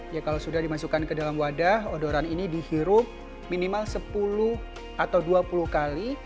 ya kalau sudah dimasukkan ke dalam wadah odoran ini dihirup minimal sepuluh atau dua puluh kali